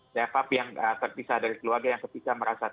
setiap hari yang terpisah dari keluarga yang terpisah merasa tidak bisa